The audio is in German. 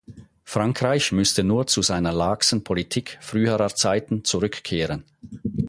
Frankreich müsste nur zu seiner laxen Politik früherer Zeiten zurückkehren.